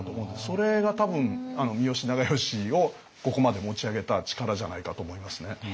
それが多分三好長慶をここまで持ち上げた力じゃないかと思いますね。